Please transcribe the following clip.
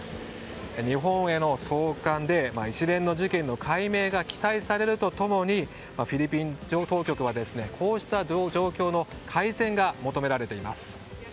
日本への送還で一連の事件の解明が期待されると共にフィリピン当局はこうした状況の改善が求められています。